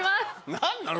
何なの？